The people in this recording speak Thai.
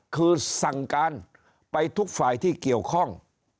คือสั่งการไปทุกฝ่ายที่เกี่ยวข้อง